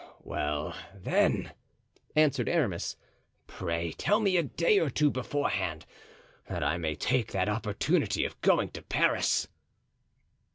"Well, then," answered Aramis, "pray tell me a day or two beforehand, that I may take that opportunity of going to Paris."